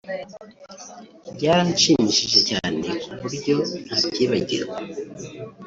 byaranshimishije cyane ku buryo nta byibagirwa